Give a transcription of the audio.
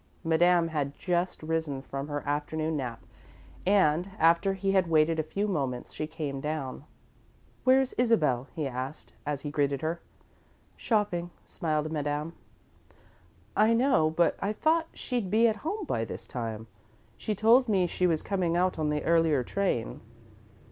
Madame had just risen from her afternoon nap, and, after he had waited a few moments, she came down. "Where's Isabel?" he asked, as he greeted her. "Shopping," smiled Madame. "I know, but I thought she'd be at home by this time. She told me she was coming out on the earlier train."